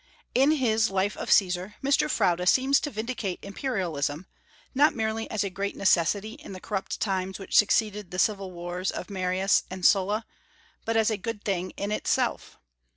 In his Life of Caesar Mr. Froude seems to vindicate Imperialism, not merely as a great necessity in the corrupt times which succeeded the civil wars of Marius and Sulla, but as a good thing in itself.